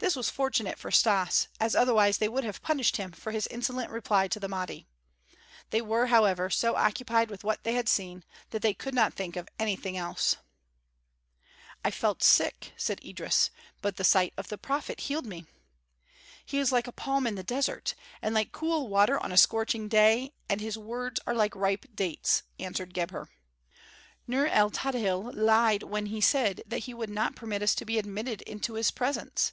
This was fortunate for Stas, as otherwise they would have punished him for his insolent reply to the Mahdi. They were, however, so occupied with what they had seen that they could not think of anything else. "I felt sick," said Idris, "but the sight of the prophet healed me." "He is like a palm in the desert, and like cool water on a scorching day, and his words are like ripe dates," answered Gebhr. "Nur el Tadhil lied when he said that he would not permit us to be admitted to his presence.